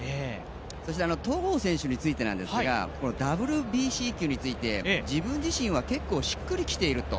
そして戸郷選手についてなんですがＷＢＣ球について自分自身は結構しっくりきていると。